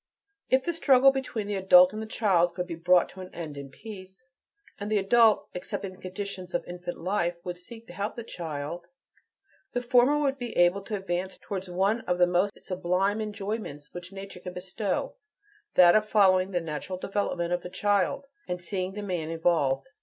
If the struggle between the adult and the child could be brought to an end in "peace," and the adult, accepting the conditions of infant life, would seek to help the child, the former would be able to advance towards one of the most sublime enjoyments which Nature can bestow: that of following the natural development of the child, and seeing the man evolved.